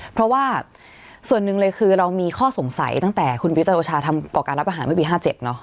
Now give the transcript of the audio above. เพราะว่าส่วนหนึ่งเลยคือเรามีข้อสงสัยตั้งแต่คุณพระยุทธจันทร์โอชาทำก่อการรับอาหารไม่มี๕เจ็บเนอะ